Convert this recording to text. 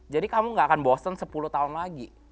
jadi kamu gak akan bosen sepuluh tahun lagi